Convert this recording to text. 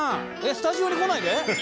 「スタジオに来ないで？」